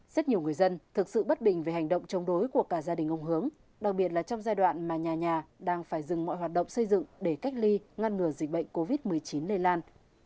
rất nhiều người dân thực sự bất bình về hành động chống đối của cả gia đình ông hướng đặc biệt là trong giai đoạn mà nhà nhà đang phải dừng mọi hoạt động xây dựng để cách ly ngăn ngừa dịch bệnh covid một mươi chín lây lan